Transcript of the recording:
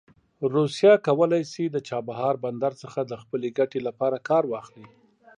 روسیه کولی شي د چابهار بندر څخه د خپلې ګټې لپاره کار واخلي.